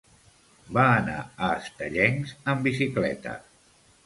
Va anar a Estellencs amb bicicleta.